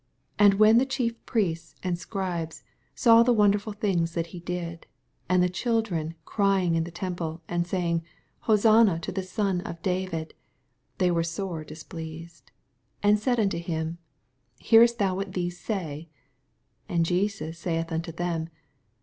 15 And when the Chief Priests and Scribes saw the wonderful things that he did, and the children crying in the temple, and saying, Hosanna to the Son of David; they were sore dis pleased, 16 And sud nnto him, Hearest thou what these say ? And Jesus saith unto them.